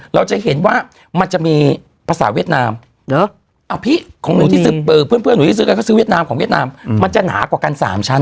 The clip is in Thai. เราจะเห็นว่ามันจะมีภาษาเวียดนามเพื่อนที่ซื้อกันก็ซื้อเวียดนามของเวียดนามมันจะหนากว่ากัน๓ชั้น